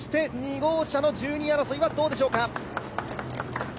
そして２号車の１２位争いは、どうでしょうか。